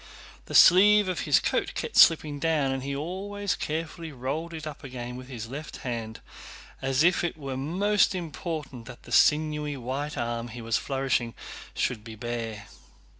The sleeve of his coat kept slipping down and he always carefully rolled it up again with his left hand, as if it were most important that the sinewy white arm he was flourishing should be bare.